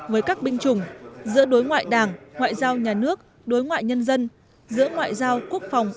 với các binh chủng giữa đối ngoại đảng ngoại giao nhà nước đối ngoại nhân dân giữa ngoại giao quốc phòng